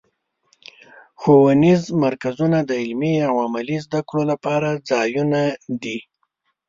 ښوونیز مرکزونه د علمي او عملي زدهکړو لپاره ځایونه دي.